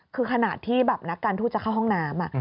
คือขนาดที่แบบนักการทูตจะเข้าห้องน้ำ